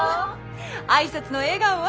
挨拶の笑顔は？